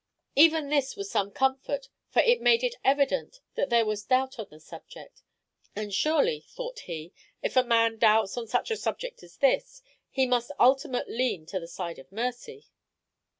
Even this was some comfort, for it made it evident that there was doubt on the subject; and surely, thought he, if a man doubts on such a subject as this, he must ultimately lean to the side of mercy.